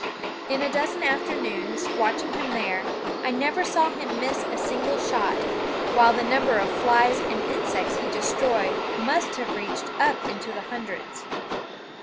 In a dozen afternoons, watching him there, I never saw him miss a single shot, while the number of flies and insects he destroyed must have reached up into the hundreds.